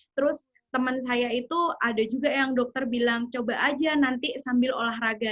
terus teman saya itu ada juga yang dokter bilang coba aja nanti sambil olahraga